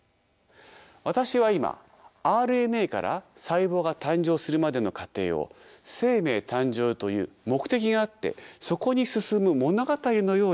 私は今ＲＮＡから細胞が誕生するまでの過程を生命誕生という目的があってそこに進む物語のように語りました。